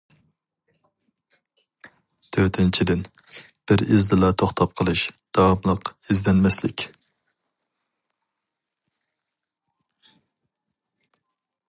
تۆتىنچىدىن، بىر ئىزدىلا توختاپ قىلىش، داۋاملىق ئىزدەنمەسلىك.